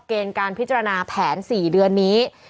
เกณฑ์การพิจารณาแผน๔เดือนนี้